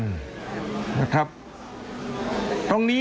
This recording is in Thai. ตรงนี้ครูปรีชาไปถูกจองจำอยู่แม้กระทั่งในห้องขังของกองปราบห้องควบคุม